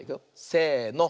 せの。